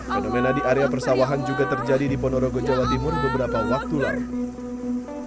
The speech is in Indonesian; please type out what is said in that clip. fenomena di area persawahan juga terjadi di ponorogo jawa timur beberapa waktu lalu